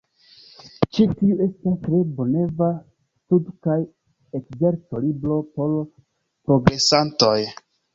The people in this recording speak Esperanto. Ĉi tiu estas tre bonvena stud- kaj ekzerco-libro por progresantoj.